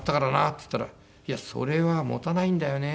っつったら「いやそれは持たないんだよね。